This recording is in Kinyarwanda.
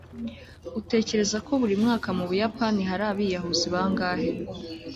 utekereza ko buri mwaka mu buyapani hari abiyahuzi bangahe